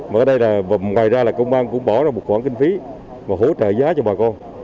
mà ở đây là ngoài ra là công an cũng bỏ ra một khoản kinh phí mà hỗ trợ giá cho bà con